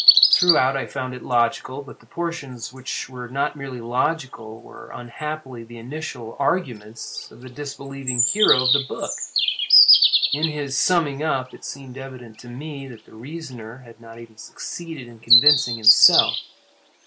Throughout I found it logical, but the portions which were not merely logical were unhappily the initial arguments of the disbelieving hero of the book. In his summing up it seemed evident to me that the reasoner had not even succeeded in convincing himself.